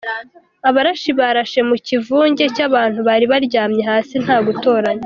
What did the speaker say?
Abarashi barashe mu kivunge cy’abantu bari baryamye hasi nta gutoranya.